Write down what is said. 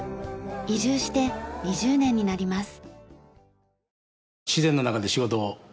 移住して２０年になります。